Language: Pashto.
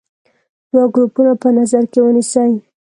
دوه ګروپونه په نظر کې ونیسئ.